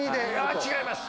違います。